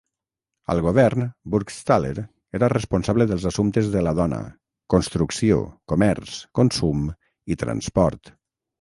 Al Govern, Burgstaller era responsable dels assumptes de la dona, construcció, comerç, consum i transport.